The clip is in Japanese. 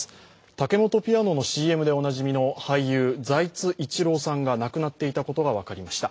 タケモトピアノのＣＭでおなじみの俳優・財津一郎さんが亡くなっていたことが分かりました。